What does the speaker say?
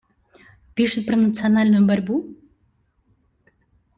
Пишет про национальную борьбу?